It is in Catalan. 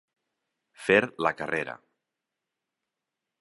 Fer la carrera.